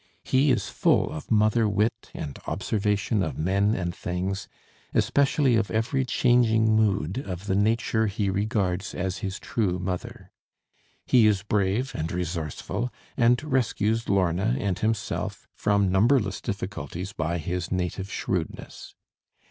He is full of mother wit and observation of men and things, especially of every changing mood of the nature he regards as his true mother. He is brave and resourceful, and rescues Lorna and himself from numberless difficulties by his native shrewdness.